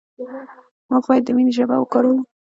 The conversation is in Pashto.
موږ باید د مینې ژبه وکاروو.